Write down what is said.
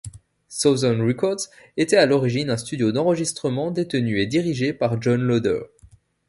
Southern Records était à l'origine un studio d'enregistrement détenu et dirigé par John Loder.